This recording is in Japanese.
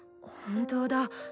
本当だ。